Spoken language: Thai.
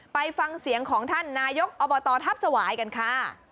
ไปฟังเสียงของท่านนายกอบตทัพสวายกันค่ะ